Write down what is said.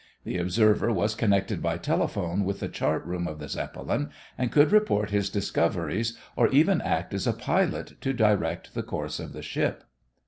The observer was connected by telephone with the chart room of the Zeppelin and could report his discoveries or even act as a pilot to direct the course of the ship.